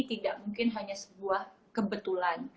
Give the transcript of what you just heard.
tidak mungkin hanya sebuah kebetulan